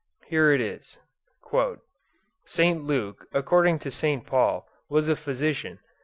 Here it is: St. Luke, according to St. Paul, was a physician.